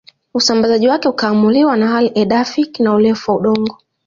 Usambazaji wake ukiamuliwa na hali edaphic na urefu wa udongo